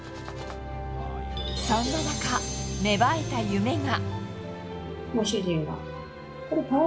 そんな中、芽生えた夢が。